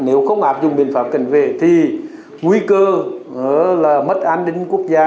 nếu không áp dụng biện pháp cảnh vệ thì nguy cơ là mất an ninh quốc gia